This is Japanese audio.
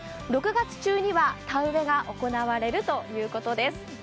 ６月中には田植えが行われるということです。